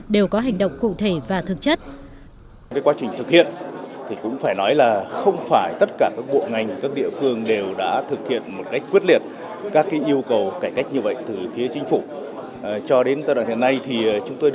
đều có hành động cụ thể và thực chất